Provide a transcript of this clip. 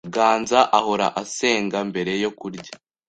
Ganza ahora asenga mbere yo kurya.